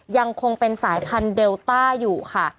ยังคงเป็นสายพันธุเดลต้าอยู่ค่ะ